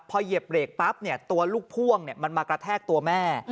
พอเหยียบเบรกปั๊บตัวลูกพ่วงมันมากระแทกตัวแม่